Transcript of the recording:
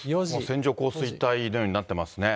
線状降水帯のようになってますね。